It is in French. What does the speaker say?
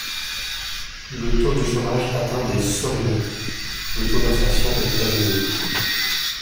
Le taux de chômage atteint des sommets; le taux d'inflation est très élevé.